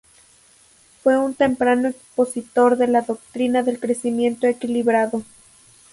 Fue un temprano expositor de la doctrina del crecimiento equilibrado.